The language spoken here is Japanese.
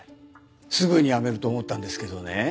すぐに辞めると思ったんですけどね。